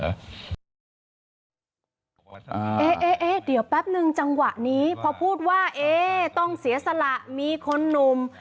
เอ๊ะเดี๋ยวแป๊บนึงจังหวะนี้พอพูดว่าเอ๊ต้องเสียสละมีคนหนุ่ม